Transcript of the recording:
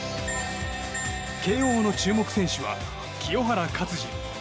慶応の注目選手は清原勝児。